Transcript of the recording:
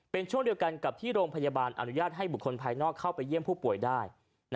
เป็นช่วงเดียวกันกับที่โรงพยาบาลอนุญาตให้บุคคลภายนอกเข้าไปเยี่ยมผู้ป่วยได้